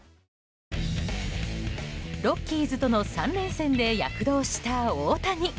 ロッキーズとの３連戦で躍動した大谷。